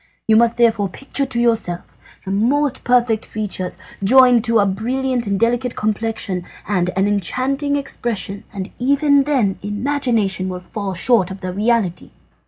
You must therefore picture to yourself the most perfect features, joined to a brilliant and delicate complexion, and an enchanting expression, and even then imagination will fall short of the reality.